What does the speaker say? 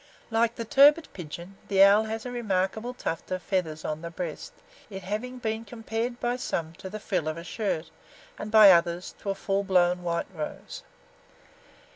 Like the Turbit pigeon, the Owl has a remarkable tuft of feathers on the breast, it having been compared by some to the frill of a shirt, and by others to a full blown white rose.